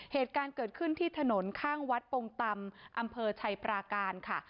เหตุการณ์เกิดขึ้นที่ถนนข้างวัดปงตำอำเภอชัยปราการค่ะ